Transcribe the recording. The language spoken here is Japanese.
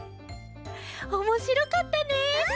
おもしろかったね！